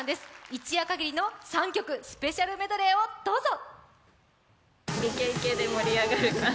一夜かぎりの３曲、スペシャルメドレーをどうぞ。